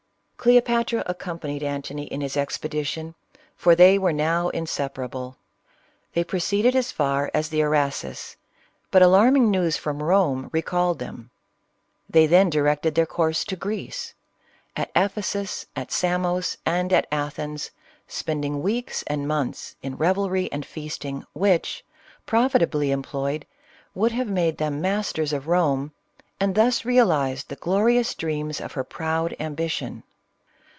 Cleopatra accompanied Antony in his expedition, 46 CLEOPATRA. for they were now inseparable. They proceeded as far as the Araxes, but alarming news from Eome recalled them. They then directed their course to Greece ; at Ephesus, at Samos, and at Athens, spending weeks and months in revelry and feasting, which, profitably employed, would have made them masters of Eome,' and thus realized the glorious dreams of her proud am bition.